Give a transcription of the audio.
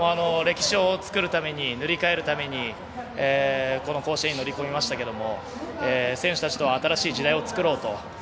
歴史を作るために塗り替えるためにこの甲子園に乗り込みましたが選手たちは新しい時代を作ろうと。